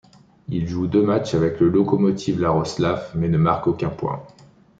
Il joue deux matchs avec le Lokomotiv Iaroslavl mais ne marque aucun point.